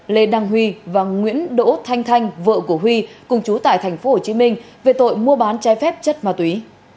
lê đăng huy và nguyễn đỗ thanh thanh vợ của huy cùng chú tại thành phố hồ chí minh về tội mua bán trái phép chất ma túy